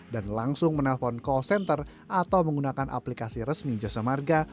dan langsung menelpon call center atau menggunakan aplikasi resmi jasa marga